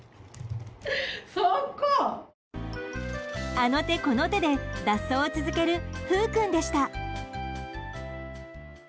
あの手この手で脱走を続けるふう君でした。